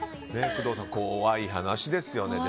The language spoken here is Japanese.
工藤さん、怖い話ですよね。